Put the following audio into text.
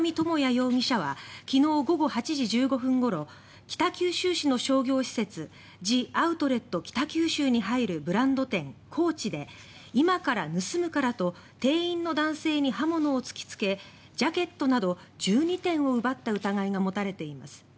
容疑者は昨日午後８時１５分ごろ北九州市の商業施設ジアウトレット北九州に入るブランド店コーチで今から盗むからと店員の男性に刃物を突きつけてジャケットなど１２点を奪った疑いが持たれています。